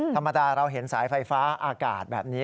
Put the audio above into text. ธรรมดาเราเห็นสายไฟฟ้าอากาศแบบนี้